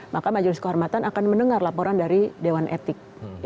maka majelis kehormatan akan mendengar laporan dari dewan etik